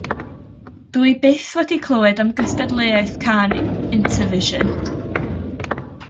Dw i byth wedi clywed am gystadleuaeth cân Intervision.